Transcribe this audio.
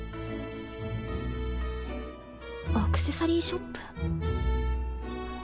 アクセサリーショップ？